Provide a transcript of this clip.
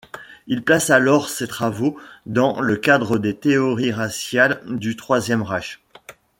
Il place alors ses travaux dans le cadre des théories raciales du Troisième Reich.